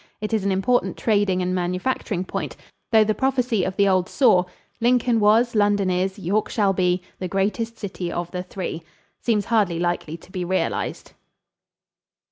It is an important trading and manufacturing point, though the prophecy of the old saw, "Lincoln was, London is, York shall be. The greatest city of the three," seems hardly likely to be realized.